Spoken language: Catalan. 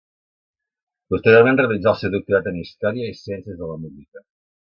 Posteriorment realitzà el seu doctorat en història i ciències de la música.